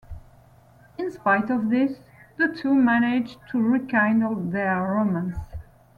In spite of this, the two manage to rekindle their romance.